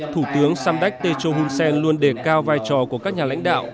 thủ tướng samdak techo hun sen luôn đề cao vai trò của các nhà lãnh đạo